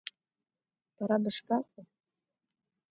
Бара бышԥаҟоу?